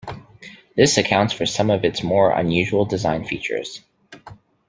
This accounts for some of its more unusual design features.